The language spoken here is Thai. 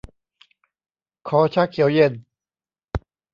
ขอชาเขียวเย็น